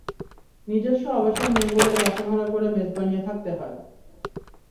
নিজস্ব আবাসন নেই বলে বাসা ভাড়া করে মেস বানিয়ে থাকতে হয়।